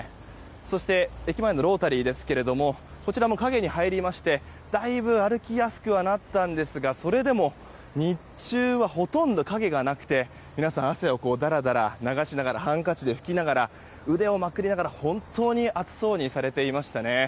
そして、駅前のロータリーですがこちらも日陰に入りましてだいぶ歩きやすくはなりましたがそれでも日中はほとんど影がなく皆さん、汗をだらだら流しながらハンカチで拭きながら腕をまくりながら本当に暑そうにされていました。